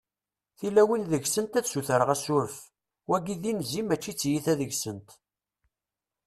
tilawin deg-sent ad ssutreɣ asuref, wagi d inzi mačči t-tiyita deg-sent